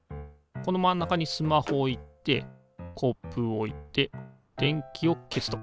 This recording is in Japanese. この真ん中にスマホを置いてコップを置いて電気を消すと。